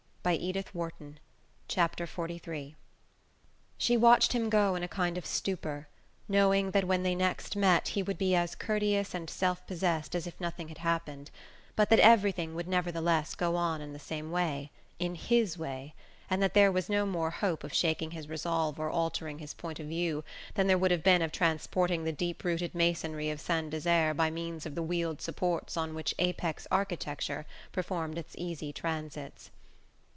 he said as he went out of the room. XLIII She watched him go in a kind of stupour, knowing that when they next met he would be as courteous and self possessed as if nothing had happened, but that everything would nevertheless go on in the same way in HIS way and that there was no more hope of shaking his resolve or altering his point of view than there would have been of transporting the deep rooted masonry of Saint Desert by means of the wheeled supports on which Apex architecture performed its easy transits.